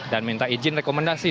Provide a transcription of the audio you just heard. dan minta izin rekomendasi